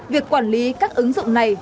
việc quản lý các ứng dụng này